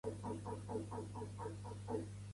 Quina posició va arribar a tenir a la llista de JxCat?